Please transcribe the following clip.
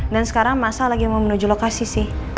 dan sekarang mas al lagi mau menuju lokasi sih